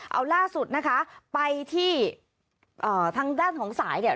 เอาล่าสุดนะคะไปที่ทางด้านของสายเนี่ย